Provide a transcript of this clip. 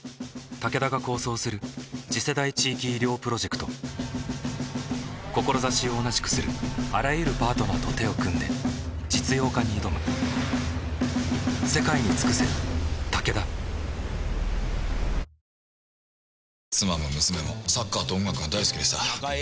タケダが構想する次世代地域医療プロジェクト志を同じくするあらゆるパートナーと手を組んで実用化に挑む三井アウトレットパーク！で！